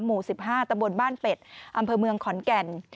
หมู่๑๕ตะบนบ้านเป็ดอำเภอเมืองขอนแก่น